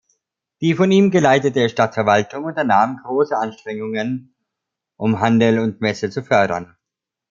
Die von ihm geleitete Stadtverwaltung unternahm große Anstrengungen, um Handel und Messe zu fördern.